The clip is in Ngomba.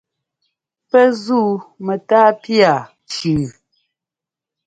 Pɛ́ zúu mɛtáa pía cʉʉ.